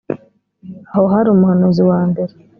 aho hari umuhanuzi wa mbere